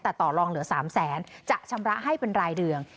แต่ต่อลองเหลือ๓๐๐๐๐๐บาทจะชำระให้เป็นรายเรือง